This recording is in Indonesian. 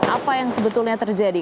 apa yang sebetulnya terjadi